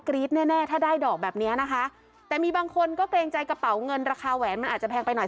แน่แน่ถ้าได้ดอกแบบเนี้ยนะคะแต่มีบางคนก็เกรงใจกระเป๋าเงินราคาแหวนมันอาจจะแพงไปหน่อย